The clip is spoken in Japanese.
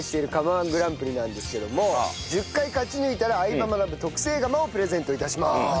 １グランプリなんですけども１０回勝ち抜いたら『相葉マナブ』特製釜をプレゼント致します。